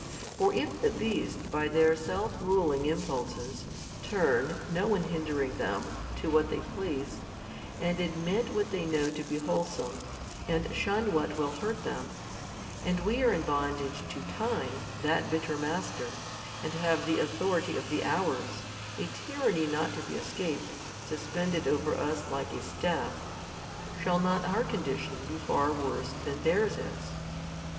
For if the beasts by their self ruling impulses, turn, no one hindering them, to what they please, and admit what they know to be wholesome, and shun what will hurt them, and WE are in bondage to time, that bitter master, and have the authority of the hours, a tyranny not |528 to be escaped, suspended over us like a staff, shall not our condition be far worse than theirs is?